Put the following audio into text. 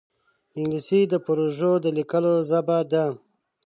انګلیسي د پروژو د لیکلو ژبه ده